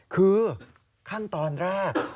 คือขั้นตอนแรก